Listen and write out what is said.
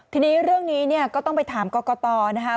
ทีนี้เรื่องนี้ก็ต้องไปถามกรกตนะครับ